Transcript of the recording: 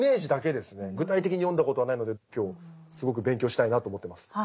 具体的に読んだことはないので今日すごく勉強したいなと思ってます。